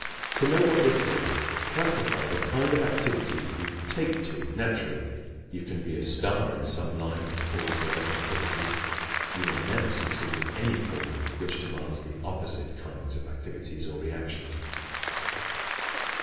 To know what this is, classify the kind of activities you "take to" naturally. You can be a star in some line that calls for those activities. You will never succeed in any calling which demands the opposite kinds of activities or reactions.